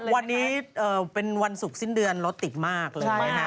วันนี้เป็นวันศุกร์สิ้นเดือนรถติดมากเลย